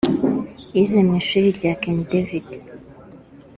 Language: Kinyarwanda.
yize mu ishuri rya King David